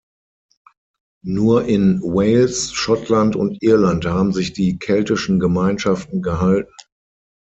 Nur in Wales, Schottland und Irland haben sich die keltischen Gemeinschaften gehalten.